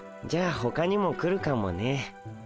じゃあほかにも来るかもね。